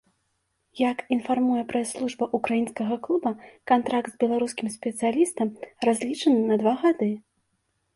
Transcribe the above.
Як інфармуе прэс-служба ўкраінскага клуба, кантракт з беларускім спецыялістам разлічаны на два гады.